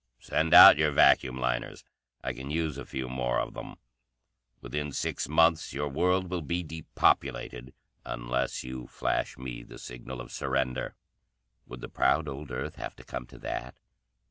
Send out your vacuum liners. I can use a few more of them. Within six months your world will be depopulated, unless you flash me the signal of surrender." Would the proud old Earth have to come to that?